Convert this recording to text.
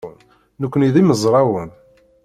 Nekkni d imezrawen.